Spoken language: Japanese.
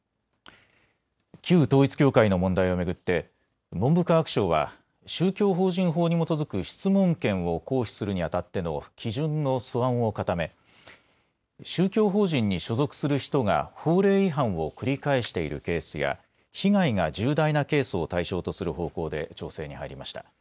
旧統一教会の問題を巡って文部科学省は宗教法人法に基づく質問権を行使するにあたっての基準の素案を固め、宗教法人に所属する人が法令違反を繰り返しているケースや被害が重大なケースを対象とする方向で調整に入りました。